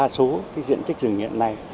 bởi vì tuyệt đại đa số diện tích rừng hiện nay